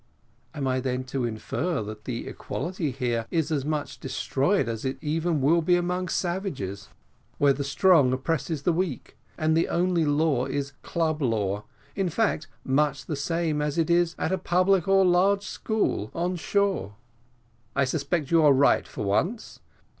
"I am then to infer that the equality here is as much destroyed as it even will be among savages, where the strong oppress the weak, and the only law is club law in fact, much the same as it is at a public or large school on shore?" "I suspect you are right for once.